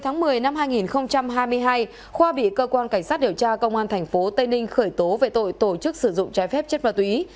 ngày một mươi năm hai nghìn hai mươi hai khoa bị cơ quan cảnh sát điều tra công an tp tây ninh khởi tố về tội tổ chức sử dụng trái phép chất ma túy